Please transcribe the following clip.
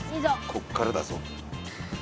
こっからだぞ。